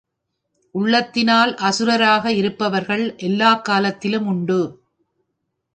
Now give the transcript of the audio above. உள்ளத்தினால் அசுரராக இருப்பவர்கள் எல்லாக் காலத்திலும் உண்டு.